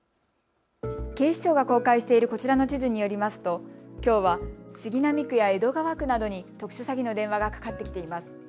警視庁が公開しているこちらの地図によりますときょうは杉並区や江戸川区などに特殊詐欺の電話がかかってきています。